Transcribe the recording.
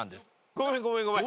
ごめんごめんごめん。